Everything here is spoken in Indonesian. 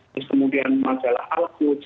terus kemudian majalah al quds